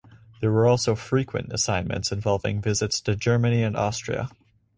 There were also frequent assignments involving visits to Germany and Austria.